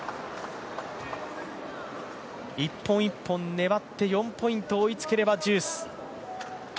一本一本粘って４ポイント追いつければデュース。